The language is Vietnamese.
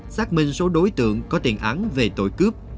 xác minh số đối tượng có tiền án về tội cướp